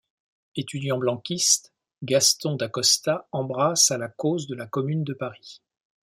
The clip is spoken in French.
Étudiant blanquiste, Gaston Da Costa embrasse à la cause de la Commune de Paris.